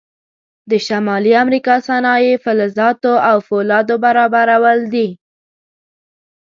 د شمالي امریکا صنایع فلزاتو او فولادو برابرول دي.